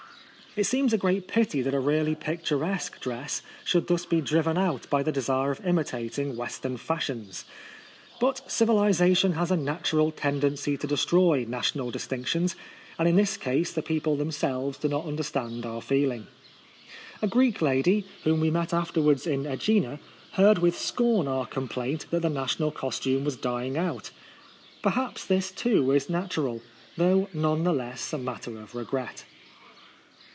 It seems a great pity that a really picturesque dress should thus be driven out by the desire of imitating Western fashions. 33 ut civilisation has a natural ten dency to destroy national distinc tions ; and in this case the people themselves do not understand our feeling. A Greek lady, whom we met afterwards in ^Egina, heard with scorn our complaint that the national costume was dying out. Perhaps this too is natural, though none the less a matter of regret.